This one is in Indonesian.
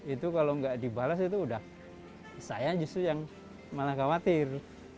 itu kalau nggak dibalas itu udah saya justru yang malah khawatir